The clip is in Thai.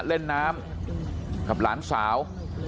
เล่นน้ำกับหลานสาว